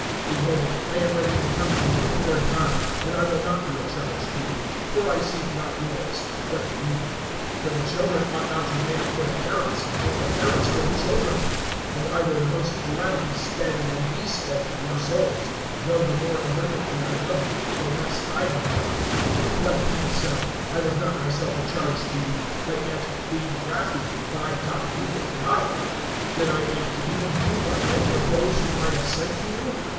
(14)Behold, I am ready to come to you the third time; and I will not be a charge to you; for I seek not yours, but you; for the children ought not to lay up for the parents, but the parents for the children. (15)And I will most gladly spend and be spent for your souls; though the more abundantly I love you, the less I am loved. (16)But be it so, I was not myself a charge to you[12:16]; but yet, being crafty, I caught you with guile. (17)Did I make gain of you, by any of those whom I have sent to you?